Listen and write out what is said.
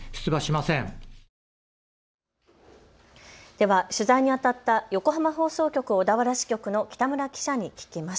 では取材にあたった横浜放送局小田原支局の北村記者に聞きます。